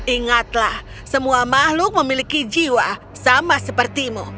ingatlah semua makhluk memiliki jiwa sama sepertimu